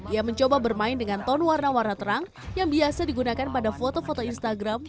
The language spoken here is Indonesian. ia mencoba bermain dengan tone warna warna terang yang biasa digunakan pada foto foto instagram